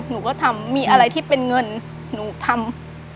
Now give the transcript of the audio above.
หนูก็ทำมีอะไรที่เป็นเงินหนูทำ